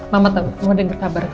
mama udah ngetabar